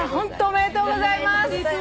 おめでとうございます。